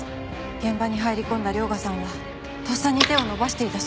現場に入り込んだ涼牙さんはとっさに手を伸ばしていたそうです。